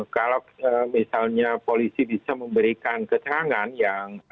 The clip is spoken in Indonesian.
kalau misalnya polisi bisa memberikan keterangan yang